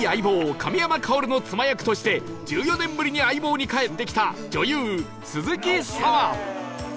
亀山薫の妻役として１４年ぶりに『相棒』に帰ってきた女優鈴木砂羽